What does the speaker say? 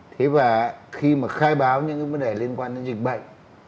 thế và khi mà khai báo những vấn đề liên quan đến dịch bệnh